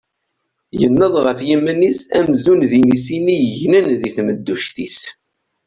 Yenneḍ ɣef yiman-is amzun d inisi-nni yegnen di temduct-is.